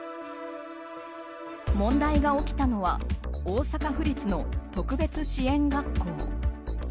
問題が起きたのは大阪府立の特別支援学校。